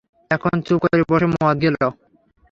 এখন চুপ করে বসে মদ গেল।